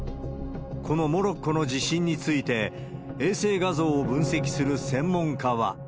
このモロッコの地震について、衛星画像を分析する専門家は。